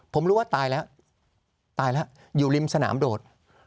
ผมรู้ว่าตายแล้วอยู่ริมสนามโดด